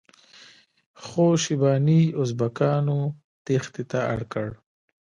خو شیباني ازبکانو تیښتې ته اړ کړ.